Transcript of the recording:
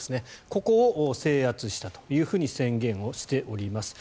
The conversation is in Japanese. ここを制圧したというふうに宣言しております。